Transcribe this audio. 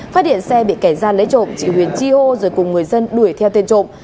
phát hiện xe bị kẻ gian lấy trộm chị huyền chi hô rồi cùng người dân đuổi theo tên trộm